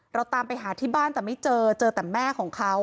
เราตามไปหาที่บ้านแต่ไม่เจอเจอแต่แม่ของเขา